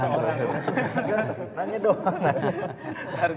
gak tanya doang